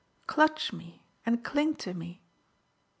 clutch me and cling to me."